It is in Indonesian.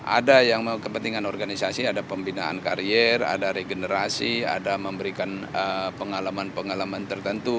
ada yang kepentingan organisasi ada pembinaan karier ada regenerasi ada memberikan pengalaman pengalaman tertentu